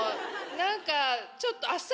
何かちょっと。